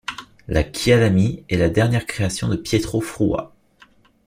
La Kyalami est la dernière création de Pietro Frua.